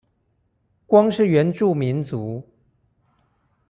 光是原住民族